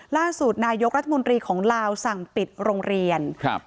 ล่าสุดนายกรัฐมนตรีของลาวสั่งปิดโรงเรียนครับ